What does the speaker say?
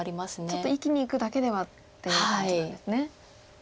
ちょっと生きにいくだけではっていう感じなんですね。